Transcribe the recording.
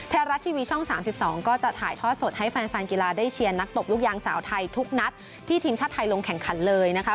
ไทยรัฐทีวีช่อง๓๒ก็จะถ่ายทอดสดให้แฟนกีฬาได้เชียร์นักตบลูกยางสาวไทยทุกนัดที่ทีมชาติไทยลงแข่งขันเลยนะคะ